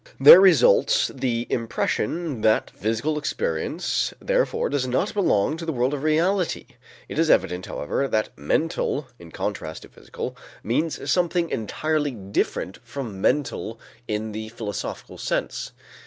There results the impression that physical experience therefore, does not belong to the world of reality. It is evident, however, that mental in contrast to physical means something entirely different from mental in the philosophical sense.